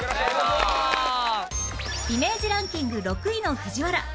イメージランキング６位の藤原